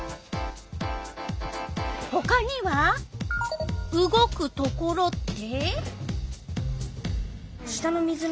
ほかには「うごくところ」って？